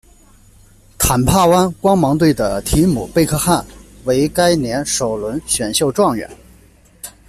坦帕湾光芒队的提姆·贝克汉为该年首轮选秀状元。